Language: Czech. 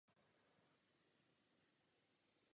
Doporučuje se proto omezit jeho konzumaci.